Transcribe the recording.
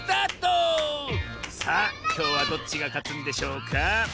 さあきょうはどっちがかつんでしょうか？